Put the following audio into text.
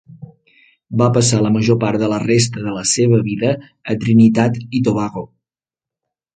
Va passar la major part de la resta de la seva vida a Trinitat i Tobago.